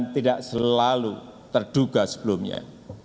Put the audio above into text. tidak selalu terduga sebelumnya